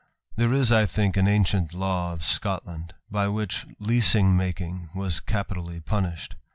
There is, I think, an ancient law of Scotland, by which leasing making was capitally punished.